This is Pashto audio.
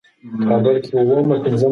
دوی د حل لارو موندلو لپاره په ګډه کار کوي.